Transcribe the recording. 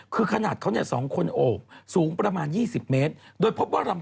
คือขนาดเขาเนี่ยสองคนโอบสูงประมาณ๒๐เมตร